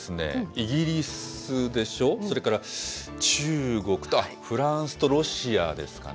イギリスでしょ、それから中国と、フランスとロシアですかね。